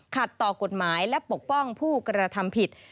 ต่อกฎหมายและปกป้องผู้กระทำผิด